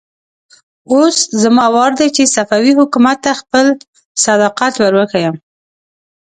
اوس زما وار دی چې صفوي حکومت ته خپل صداقت ور وښيم.